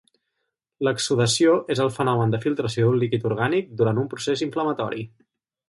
L'exsudació és el fenomen de filtració d'un líquid orgànic durant un procés inflamatori.